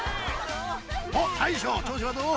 おっ大将調子はどう？